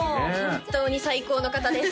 本当に最高の方です